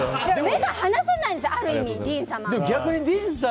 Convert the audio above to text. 目が離せないんですよ、ある意味ディーン様。